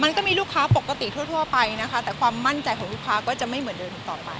มันก็มีลูกค้าปกติทั่วไปนะคะแต่ความมั่นใจของลูกค้าก็จะไม่เหมือนเดิมอีกต่อไป